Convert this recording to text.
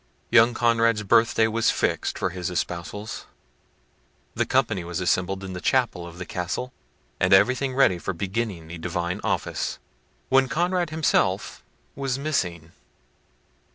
Young Conrad's birthday was fixed for his espousals. The company was assembled in the chapel of the Castle, and everything ready for beginning the divine office, when Conrad himself was missing.